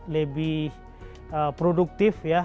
lebih produktif ya